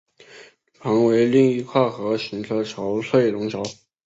旁为另一跨河行车桥翠榕桥。